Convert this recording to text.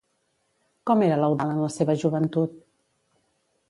Com era l'Eudald en la seva joventut?